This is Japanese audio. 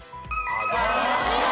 お見事！